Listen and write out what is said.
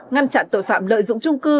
ngăn chặn tội phạm lợi dụng trung cư